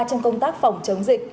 trong công tác phòng chống dịch